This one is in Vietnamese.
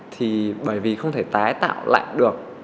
thì bởi vì không thể tái tạo lại được